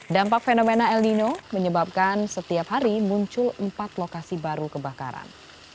dampak fenomena el nino menyebabkan setiap hari muncul empat lokasi baru kebakaran